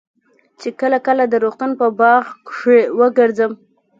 چې کله کله د روغتون په باغ کښې وګرځم.